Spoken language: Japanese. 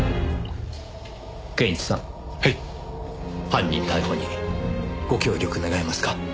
犯人逮捕にご協力願えますか？